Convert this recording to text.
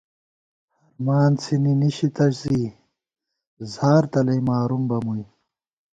ہرمان څِھنی نِشِتہ زی، زار تلَئ مارُوم بہ مُوئی